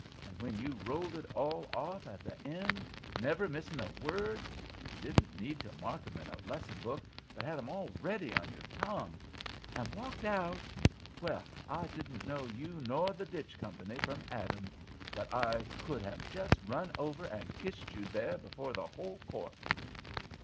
And when you rolled it all off at the end—never missing a word—(you didn't need to mark 'em in a lesson book, but had 'em all ready on your tongue), and walked out—Well! I didn't know you nor the Ditch Company from Adam, but I could have just run over and kissed you there before the whole court!"